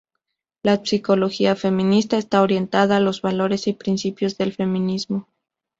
La psicología feminista está orientada a los valores y principios del feminismo.